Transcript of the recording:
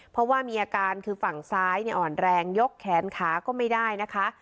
เพราะว่ามีอาการคือฝั่งซ้ายอ่อนแรงยกแขนขาก็ไม่ได้นะคะ